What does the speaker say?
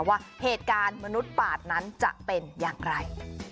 ว่าเหตุการณ์มนุษย์ปาดนั้นจะเป็นอย่างไร